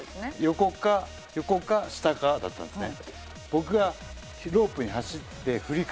横か横か下かだったんですね。